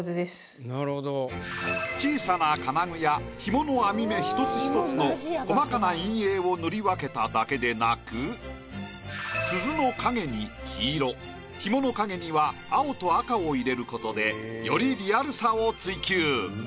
小さな金具や紐の網目一つ一つの細かな陰影を塗り分けただけでなく鈴の影に黄色紐の影には青と赤を入れることでよりリアルさを追求。